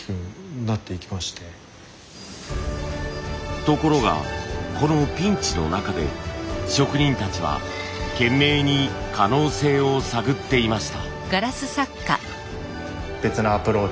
ところがこのピンチの中で職人たちは懸命に可能性を探っていました。